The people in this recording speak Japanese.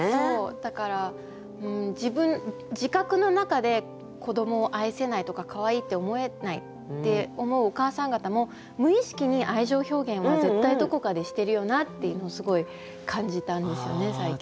だから自覚の中で子どもを愛せないとかかわいいって思えないって思うお母さん方も無意識に愛情表現は絶対どこかでしてるよなっていうのをすごい感じたんですよね最近。